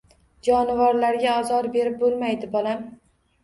Jonivorlarga ozor berib bo‘lmaydi, bolam.